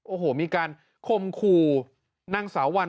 โอ้โหมีการคมคู่นางสาววัน